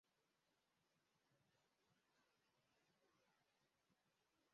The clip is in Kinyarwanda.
Umugabo wambaye ikariso yicaye agerageza kunywa